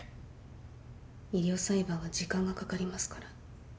医療裁判は時間がかかりますから。